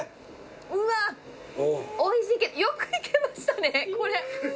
うわっおいしいけどよくいけましたねこれ。